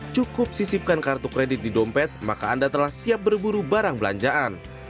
cukup sisipkan kartu kredit di dompet maka anda telah siap berburu barang belanjaan